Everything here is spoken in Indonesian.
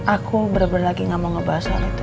aku benar benar lagi gak mau ngebahas soal itu